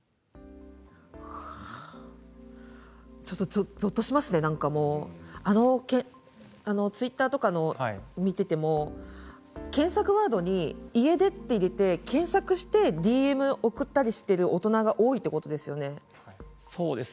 ちょっとぞっとしますね、なんかもうあのツイッターとかを見ていても検索ワードに家出と入れて検索してＤＭも送ったりしている大人が多いということですよね。